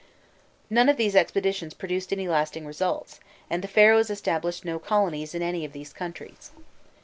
None of these expeditions produced any lasting results, and the Pharaohs established no colonies in any of these countries.